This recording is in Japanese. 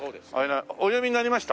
お読みになりました？